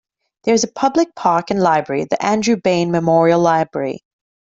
There is a public park and library, the Andrew Bayne Memorial Library.